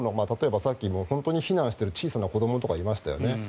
例えばさっき、避難している小さい子どもなんかもいましたよね